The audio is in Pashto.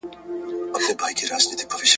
چي لیدلی یې مُلا وو په اوبو کي `